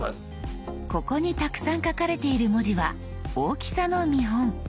ここにたくさん書かれている文字は大きさの見本。